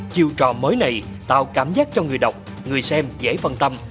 chiêu trò mới này tạo cảm giác cho người đọc người xem dễ phân tâm